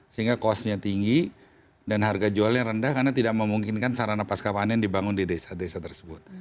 sehingga kosnya tinggi dan harga jualnya rendah karena tidak memungkinkan sarana pasca panen dibangun di desa desa tersebut